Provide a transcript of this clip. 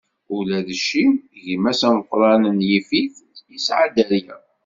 Ula d Cim, gma-s ameqran n Yifit, isɛa dderya.